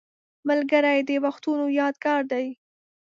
ملګری د وختونو یادګار دی